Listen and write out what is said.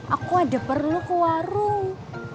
aku aja perlu ke warung